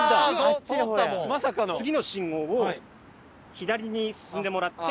次の信号を左に進んでもらって。